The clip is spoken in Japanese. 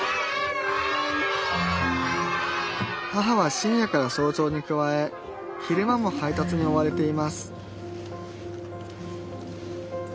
母は深夜から早朝に加え昼間も配達に追われています